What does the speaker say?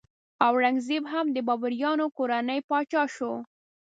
اورنګ زیب هم د بابریانو کورنۍ پاچا شو.